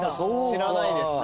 知らないですね。